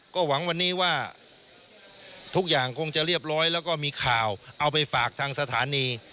ก็หวังวันนี้ว่าทุกอย่างคงจะเรียบร้อยแล้วก็มีข่าวเอาไปฝากทางสถานี